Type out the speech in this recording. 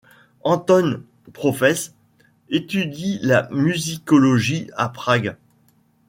Anton Profes étudie la musicologie à Prague.